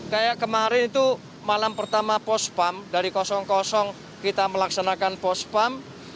kayak kemarin itu malam pertama pos pump dari kosong kosong kita melaksanakan pos pump